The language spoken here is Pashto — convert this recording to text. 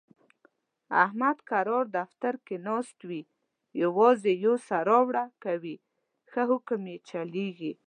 احمد کرار دفتر کې ناست وي، یووازې یوسه راوړه کوي، ښه حکم یې چلېږي.